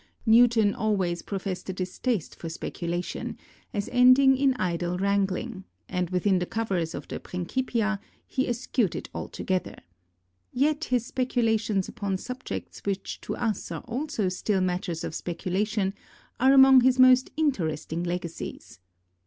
Newton always professed a distaste for speculation, as ending in idle wrangling, and within the covers of the Principia he eschewed it altogether. Yet his speculations upon subjects which to us also are still matters of speculation, are among his most interesting legacies.